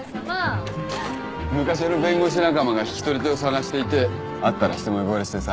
昔の弁護士仲間が引き取り手を探していて会ったら一目ぼれしてさ。